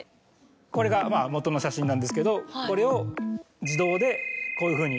これがもとの写真なんですけどこれを自動でこういうふうに。